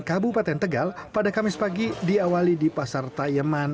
kabupaten tegal pada kamis pagi diawali di pasar tayeman